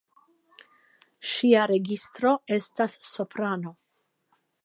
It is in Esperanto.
Ŝia registro estas soprano.